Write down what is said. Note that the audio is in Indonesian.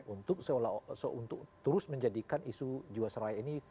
untuk seolah untuk terus menjadikan isu jiwasraya ini